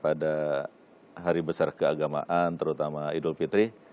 pada hari besar keagamaan terutama idul fitri